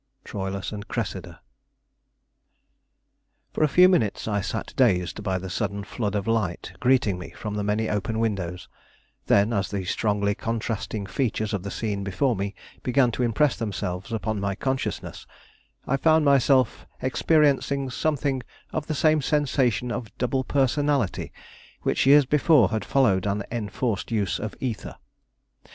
Troilus and Cressida. For a few minutes I sat dazed by the sudden flood of light greeting me from the many open windows; then, as the strongly contrasting features of the scene before me began to impress themselves upon my consciousness, I found myself experiencing something of the same sensation of double personality which years before had followed an enforced use of ether.